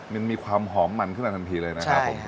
มันมีความหอมมันขึ้นมาทันทีเลยนะครับผม